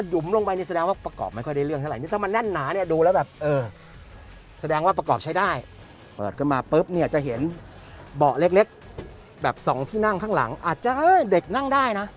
เหมือนเบาะเล็กแบบ๒ที่นั่งข้างหลังอาจจะเด็กนั่งได้นะ